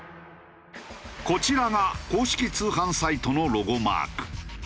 こちらが公式通販サイトのロゴマーク。